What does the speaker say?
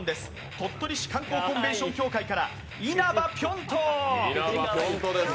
鳥取市観光コンベンション協会から因幡ぴょん